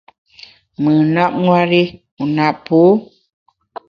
Mùn nap nwer i, wu nap pô.